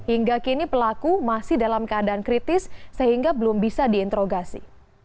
hingga kini pelaku masih dalam keadaan kritis sehingga belum bisa diinterogasi